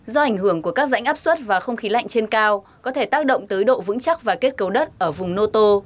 do ảnh hưởng của các rãnh áp suất và không khí lạnh trên cao có thể tác động tới độ vững chắc và kết cấu đất ở vùng noto